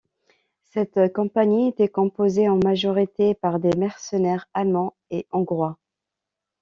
Cette compagnie était composée en majorité par des mercenaires allemands et hongrois.